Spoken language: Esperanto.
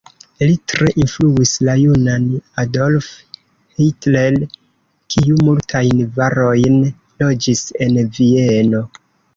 Li tre influis la junan Adolf Hitler, kiu multajn jarojn loĝis en Vieno.